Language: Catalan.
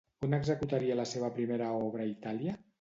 On executaria la seva primera obra a Itàlia?